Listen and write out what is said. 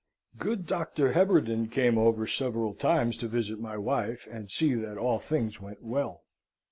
Good Dr. Heberden came over several times to visit my wife, and see that all things went well.